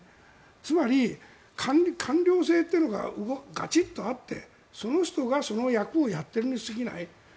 つまり官僚制というのがガチっとあってその人がその役をやっているにすぎない。